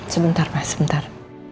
sebentar pak sebentar